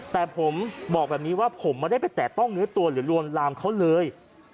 แต่ผมบอกแบบนี้ว่าผมไม่ได้ไปแตะต้องเนื้อตัวหรือลวนลามเขาเลย